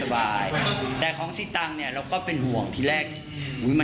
ฟาดลงดินหรือเปล่า